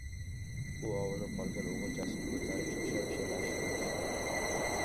— U ovunib qolgan o‘g‘ilchasini ko‘tarib shosha-pisha mashinadan tushdi.